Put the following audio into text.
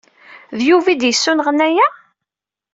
D Yuba ay d-yessunɣen aya?